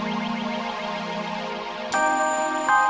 wenteng hari buat sekarang